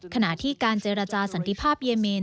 ขณะที่การเจรจาสันติภาพเยเมน